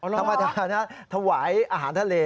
อ๋อต้องมาถวายอาหารทะเล